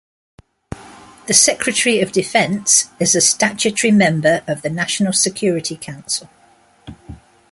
The Secretary of Defense is a statutory member of the National Security Council.